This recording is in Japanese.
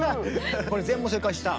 これ全問正解した。